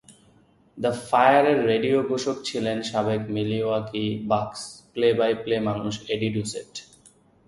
The ফায়ারের radio ঘোষক ছিলেন সাবেক মিলওয়াকি বাকস প্লে-বাই-প্লে মানুষ এডি ডুসেট।